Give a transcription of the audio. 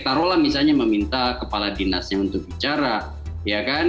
taruhlah misalnya meminta kepala dinasnya untuk bicara ya kan